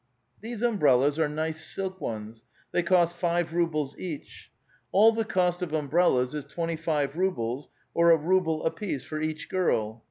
These umbrellas are nice silk ones ; they cost five rubles apiece. All the cost of umbrellas is twenty five rubles, or a ruble apiece for each girl.